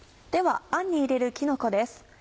ではあんに入れるきのこです。